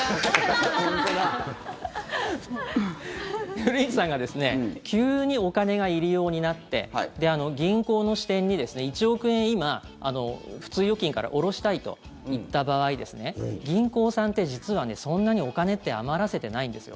古市さんが急にお金が入り用になって銀行の支店に１億円を今、普通預金から下ろしたいといった場合銀行さんって実はそんなにお金って余らせてないんですよ。